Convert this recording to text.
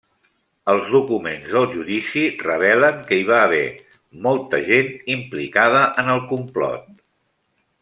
Els documents del judici revelen que hi va haver molta gent implicada en el complot.